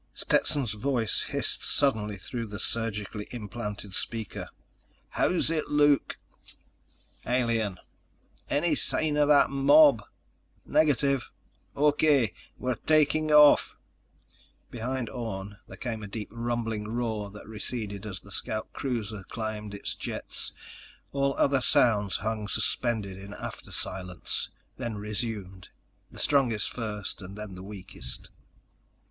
Stetson's voice hissed suddenly through the surgically implanted speaker: "How's it look?" "Alien." "Any sign of that mob?" "Negative." "O.K. We're taking off." Behind Orne, there came a deep rumbling roar that receded as the scout cruiser climbed its jets. All other sounds hung suspended in after silence, then resumed: the strongest first and then the weakest.